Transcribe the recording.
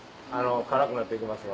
辛くなって行きます。